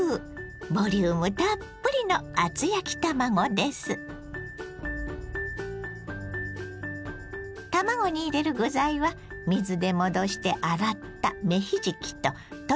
ボリュームたっぷりの卵に入れる具材は水で戻して洗った芽ひじきと鶏ひき肉。